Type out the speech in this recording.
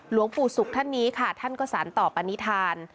หลวงปู่ศุกร์ท่านนี้ค่ะท่านก็สารต่อปณิธาน